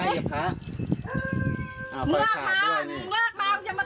อยู่เป้าหมายแม่กูด้วยมีปัญหา